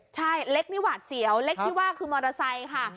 ใช่เล็กนี่หวาดเสียวเล็กที่ว่าคือมอเตอร์ไซค์ค่ะ